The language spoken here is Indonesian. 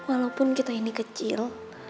walaupun kita ini kecil